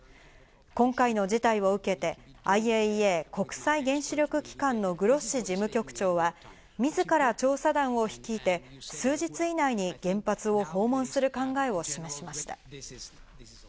今回の事態を受けて、ＩＡＥＡ＝国際原子力機関のグロッシ事務局長は自ら調査団を率いて、数日以内に原発を訪問する考えを示しました。